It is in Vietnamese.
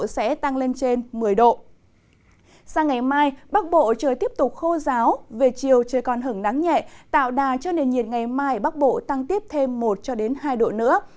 sang ngày mai bắc bộ trời tiếp tục khô giáo về chiều trời còn hứng nắng nhẹ tạo đà cho nền nhiệt ngày mai ở bắc bộ tăng tiếp thêm một hai độ nữa